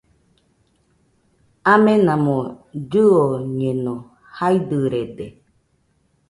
Amenamo llɨoñeno, jaidɨrede